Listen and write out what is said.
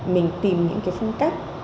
mình tìm những cái phương cách